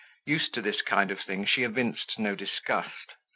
Used to this kind of thing she evinced no disgust.